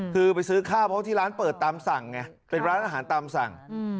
คือไปซื้อข้าวเพราะที่ร้านเปิดตามสั่งไงเป็นร้านอาหารตามสั่ง